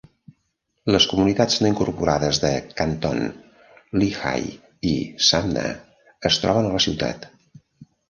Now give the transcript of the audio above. Les comunitats no incorporades de Canton, Lehigh i Sumner es troben a la ciutat.